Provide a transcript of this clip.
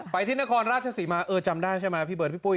ไปที่นครราชสีมาจำได้ใช่มั้ยพี่เบิร์นพี่ปุ้ย